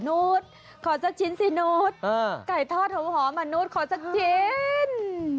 นูธขอสักชิ้นสินูธไก่ทอดหอมมาหนูธขอสักชิ้น